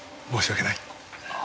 申し訳ない。